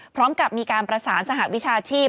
พร้อมกับมีการประสานสหวิชาชีพ